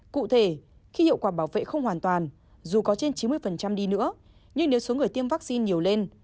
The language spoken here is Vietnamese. cụ thể khi hiệu quả bảo vệ không hoàn toàn dù có trên chín mươi đi nữa nhưng nếu số người tiêm vaccine nhiều lên